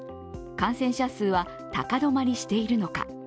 感染者数は高止まりしているのか